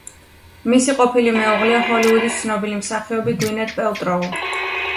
მისი ყოფილი მეუღლეა ჰოლივუდის ცნობილი მსახიობი გვინეთ პელტროუ.